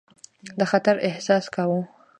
د خطر احساس کاوه.